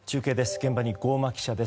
現場に郷間記者です。